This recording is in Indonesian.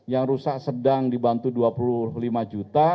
yang rusak sedang dibantu dua puluh lima juta